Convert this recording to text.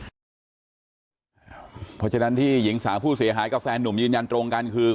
เพราะฉะนั้นที่หญิงสาวผู้เสียหายกับแฟนหนุ่มยืนยันตรงกันคือ